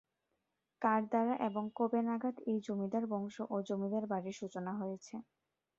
কার দ্বারা এবং কবে নাগাদ এই জমিদার বংশ ও জমিদার বাড়ির সূচনা হয়েছে।